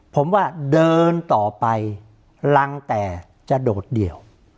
ผมว่าเดินต่อไปรังแต่จะโดดเดี่ยว